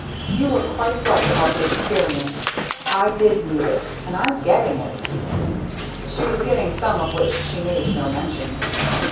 "You were quite right about the experience; I did need it and I'm getting it!" She was getting some of which she made no mention.